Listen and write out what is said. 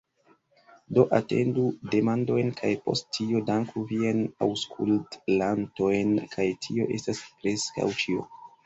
Do atendu demandojn kaj post tio danku vian aŭskutlantojn kaj tio estas preskaŭ ĉio